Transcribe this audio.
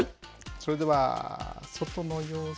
それでは外の様子。